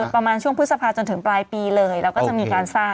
ประมาณช่วงพฤษภาจนถึงปลายปีเลยแล้วก็จะมีการทราบ